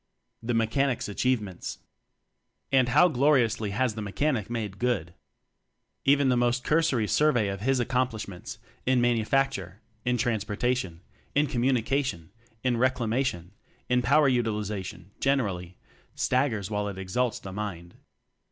The Mechanic's Achievements And how gloriously has the Me chanic made good! Even the most most cursory survey of his accomplishments, in manufac ture, in transportation, in communica tion, in reclamation, in power utiliza tion generally, staggers while it exalts the mind.